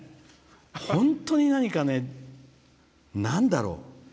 本当に何か、なんだろう。